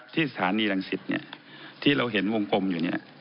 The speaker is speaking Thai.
ที่สถานีรังสิตที่เราเห็นวงกลมอยู่เนี่ย